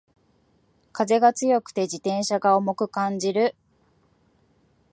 風が強くて自転車が重く感じる